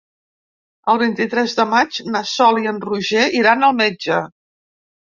El vint-i-tres de maig na Sol i en Roger iran al metge.